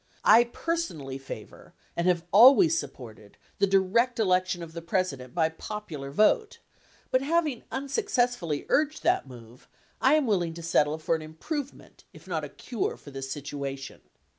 I personally favor and have always supported the direct election of the President by popular vote, but having unsuccessfully urged that move, I am willing to settle for an improvement if not a cure for this situation.